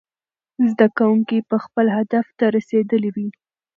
زده کوونکي به خپل هدف ته رسېدلي وي.